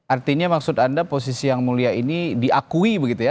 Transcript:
artinya maksud anda posisi yang mulia ini diakui begitu ya